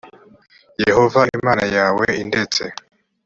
yehova imana yawe i ndetse